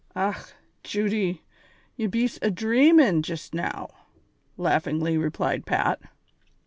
"Och, Judy, ye bees adreamin' jist now," laughingly replied Pat.